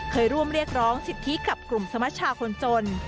เคยร่วมเรียกร้องสิทธิกับกลุ่มสมชาคนจน